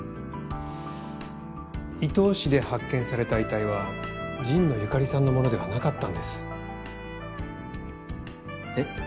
伊東市で発見された遺体は神野由香里さんのものではなかったんです。え？